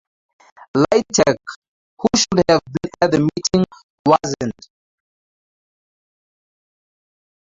Lai Teck, who should have been at the meeting, wasn't.